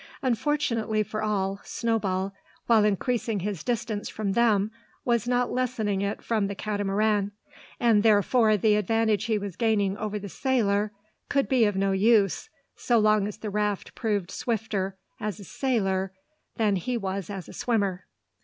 Unfortunately for all, Snowball, while increasing his distance from them, was not lessening it from the Catamaran; and therefore the advantage he was gaining over the sailor could be of no use, so long as the raft proved swifter as a sailer than he was as a swimmer.